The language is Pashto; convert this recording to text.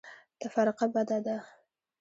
تفرقه بده ده.